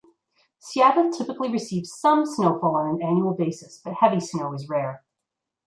Seattle typically receives some snowfall on an annual basis but heavy snow is rare.